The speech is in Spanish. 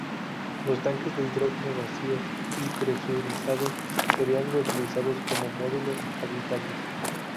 Los tanques de hidrógeno, vacíos y presurizados, serían reutilizados como módulos habitables.